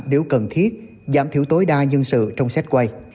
nếu cần thiết giảm thiểu tối đa nhân sự trong xét quay